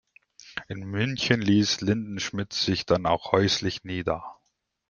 In München ließ Lindenschmit sich dann auch häuslich nieder.